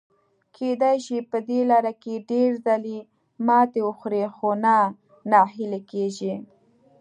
کېدای شي په دې لاره کې ډېر ځلي ماتې وخوري، خو نه ناهیلي کیږي.